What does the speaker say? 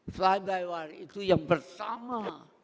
fly by wire itu yang bersama